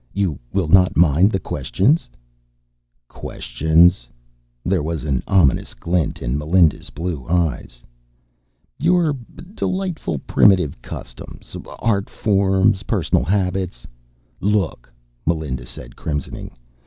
You will not mind the questions?" "Questions?" There was an ominous glint in Melinda's blue eyes. "Your delightful primitive customs, art forms, personal habits " "Look," Melinda said, crimsoning.